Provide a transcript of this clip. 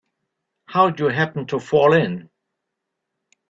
How'd you happen to fall in?